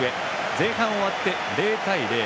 前半終わって、０対０。